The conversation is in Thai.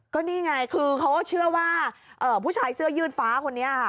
ก็นี่ไงคือเขาก็เชื่อว่าผู้ชายเสื้อยืดฟ้าคนนี้ค่ะ